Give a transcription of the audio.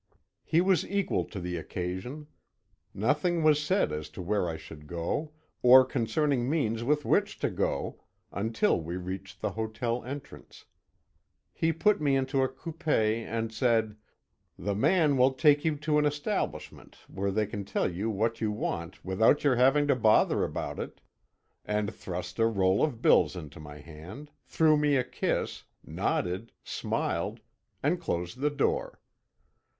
He was equal to the occasion. Nothing was said as to where I should go, or concerning means with which to go, until we reached the hotel entrance. He put me into a coupé, and said: "The man will take you to an establishment where they can tell you what you want without your having to bother about it," and thrust a roll of bills into my hand, threw me a kiss, nodded, smiled, and closed the door.